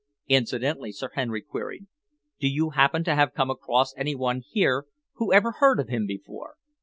"Incidentally," Sir Henry queried, "do you happen to have come across any one here who ever heard of him before?"